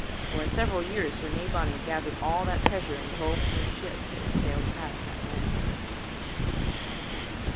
For in several years Sir Nabon had gathered all that treasure in toll from those ships that had sailed past that land.